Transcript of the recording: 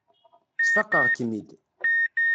Sfaqeɣ-kem-id.